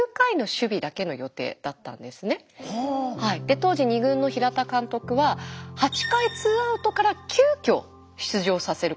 当時２軍の平田監督は８回ツーアウトから急きょ出場させることに決めているんです。